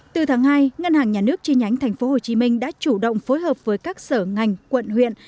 từ tháng hai ngân hàng nhà nước chi nhánh tp hcm đã chủ động phối hợp với các sở ngành quận huyện